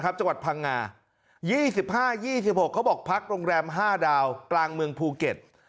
จังหวัดพังงา๒๕๒๖เขาบอกพักโรงแรม๕ดาวกลางเมืองภูเก็ต